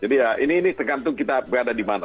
jadi ya ini ini tergantung kita berada di mana